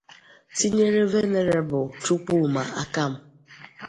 tinyere Venerebụụl Chukwuma Akam